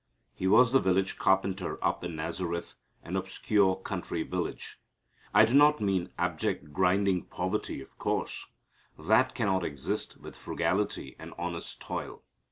He was the village carpenter up in Nazareth, an obscure country village. I do not mean abject grinding poverty, of course. That cannot exist with frugality and honest toil.